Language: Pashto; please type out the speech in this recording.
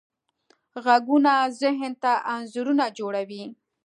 غږونه ذهن ته انځورونه جوړوي.